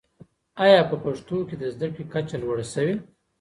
آیا په پښتنو کي د زده کړې کچه لوړه سوې؟